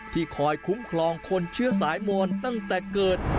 คอยคุ้มครองคนเชื้อสายมอนตั้งแต่เกิด